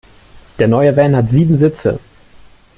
Der neue Van hat sieben Sitze.